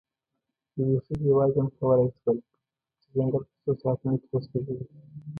یوې ښځې یواځې هم کولی شول، چې ځنګل په څو ساعتونو کې وسوځوي.